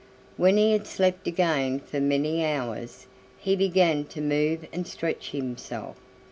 When he had slept again for many hours, he began to move and stretch himself.